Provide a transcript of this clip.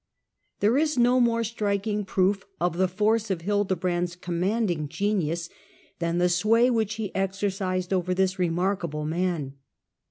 There is no more striking proof of the force of Hilde Hisreiationa brand's Commanding genius than the sway Dan^i which he exercised over this remarkable man.